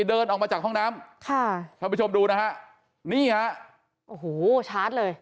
เดินออกมาจากห้องน้ำค่ะท่านผู้ชมดูนะฮะนี่ฮะโอ้โหชาร์จเลย